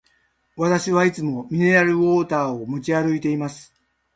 私はいつもミネラルウォーターを持ち歩いています。